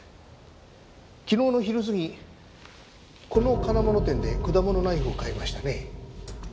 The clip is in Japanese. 昨日の昼過ぎこの金物店で果物ナイフを買いましたね。